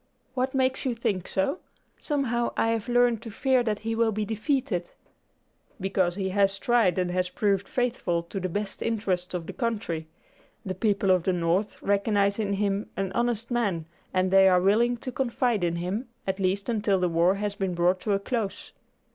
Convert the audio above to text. "What makes you think so? Somehow I have learned to fear that he will be defeated." "Because he has been tried, and has proved faithful to the best interests of the country. The people of the North recognize in him an honest man, and they are willing to confide in him, at least until the war has been brought to a close.